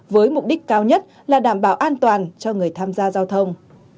với mục đích cao nhất là đảm bảo an toàn cho người tham gia giao thông